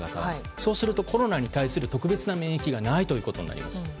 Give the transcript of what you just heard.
そうすると、コロナに対する特別な免疫がないことになります。